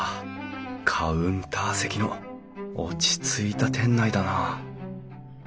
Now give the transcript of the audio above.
カウンター席の落ち着いた店内だな。